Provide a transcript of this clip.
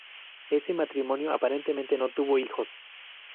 Ese matrimonio aparentemente no tuvo hijos.